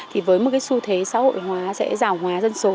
thì với một cái xu thế xã hội hóa sẽ giàu hóa dân số